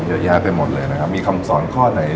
เยอะแยะไปหมดเลยนะครับมีคำสอนข้อไหน